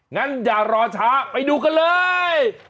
งั้นอย่ารอช้าไปดูกันเลย